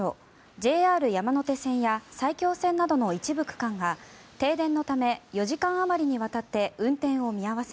ＪＲ山手線や埼京線などの一部区間が停電のため４時間あまりにわたって運転を見合わせ